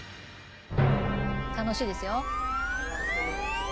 楽しいですよ。